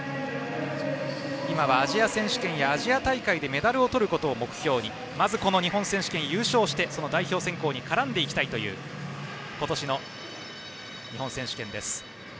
今はアジア選手権やアジア大会でメダルをとることを目標に、まず日本選手権優勝して代表選考に絡んでいきたいという今年の日本選手権です。